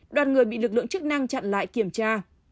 đoàn người bị lực lượng chức năng chặn lại kiểm tra